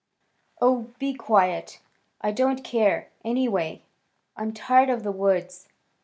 "Oh, be quiet. I don't care, anyway. I'm tired of the woods.